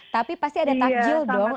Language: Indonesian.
tapi pasti ada takjil dong